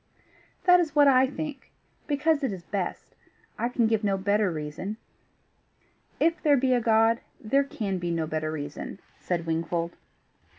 "That is what I think because it is best: I can give no better reason." "If there be a God, there can be no better reason," said Wingfold.